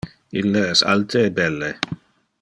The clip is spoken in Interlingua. Ille es alte e belle.